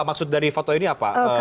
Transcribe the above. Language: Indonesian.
maksud dari foto ini apa